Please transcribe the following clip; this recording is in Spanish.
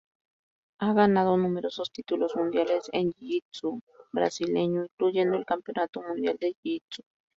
Ha ganado numerosos títulos mundiales en Jiu-Jitsu Brasileño, incluyendo el Campeonato Mundial de Jiu-Jitsu.